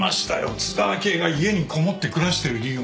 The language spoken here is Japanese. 津田明江が家にこもって暮らしてる理由が。